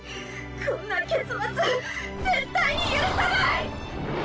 こんな結末絶対に許さない！